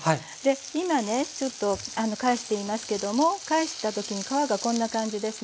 今ねちょっと返していますけども返したときに皮がこんな感じですね。